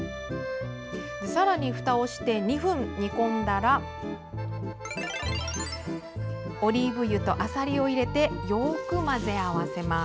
さらに、ふたをして２分煮込んだらオリーブ油と、あさりを入れてよく混ぜ合わせます。